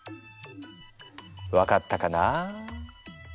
分かったかな？